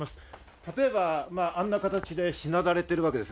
例えばあんな形でしなだれているわけです。